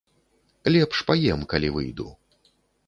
Лепш паем, калі выйду.